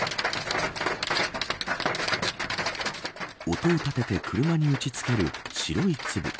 音を立てて車に打ちつける白い粒。